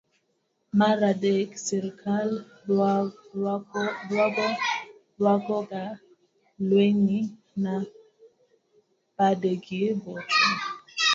mar adek srikal rwakoga lewni na badegi bocho.